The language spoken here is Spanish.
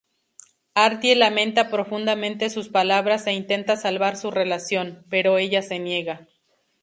Artie lamenta profundamente sus palabras e intenta salvar su relación, pero ella se niega.